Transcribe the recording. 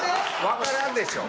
わからんでしょ。